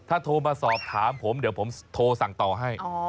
ถ้าโทรมาสอบถามผมเดี๋ยวผมโทรสั่งต่อให้